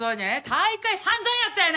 大会散々やったやないの！